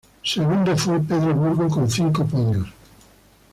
Segundo fue Pedro Burgo con cinco podios.